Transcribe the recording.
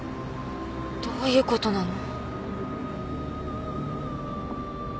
どういうことなの！？